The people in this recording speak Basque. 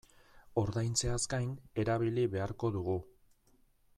Ordaintzeaz gain erabili beharko dugu.